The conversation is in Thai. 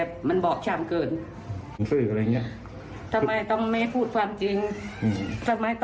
เคยบอกถ้าอยากไปจริงก็อย่า